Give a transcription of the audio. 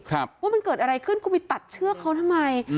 ว่ามันเกิดอะไรขึ้นคุณไปตัดเชือกเขาทำไม